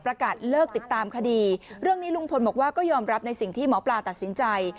ประกาศเลิกติดตามคดีเรื่องนี้ลุงพลบอกว่าก็ยอมรับในสิ่งที่หมอปลาตัดสินใจ